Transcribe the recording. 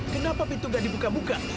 kenapa pintu gak dibuka buka